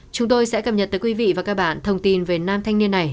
chúng tôi sẽ cập nhật tới quý vị và các bạn thông tin về nam thanh niên này